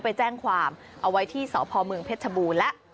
ไปแจ้งความเอาไว้ที่สพเผ็ดชะบูร์แล้ว